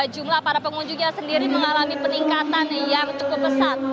jumlah para pengunjungnya sendiri mengalami peningkatan yang cukup besar